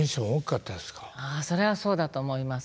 ああそれはそうだと思います。